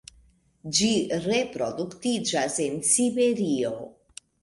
Ĝi reproduktiĝas en Siberio.